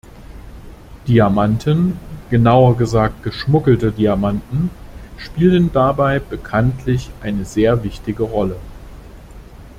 Diamanten, genauer gesagt geschmuggelte Diamanten, spielen dabei bekanntlich eine sehr wichtige Rolle.